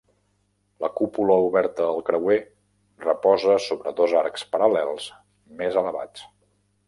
La cúpula oberta al creuer reposa sobre dos arcs paral·lels, més elevats.